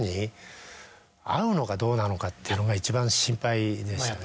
どうなのかっていうのが一番心配でしたね。